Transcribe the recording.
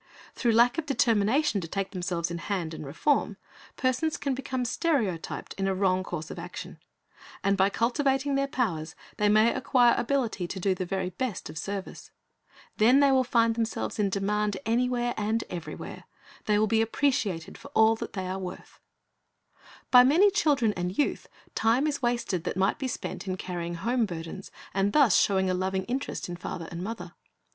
Through lack of determination to take themselves in hand and reform, persons can become stereotyped in a wrong course of action; or by cultivating their powers they may acquire ability to do the very best of service. Then they will find themselves in demand anywhere and everywhere. They will be appreciated for all that they are worth, Talents 345 By many children and youth, time is wasted tliat might be spent in carrying home burdens, and thus showing a loving interest in father and mother.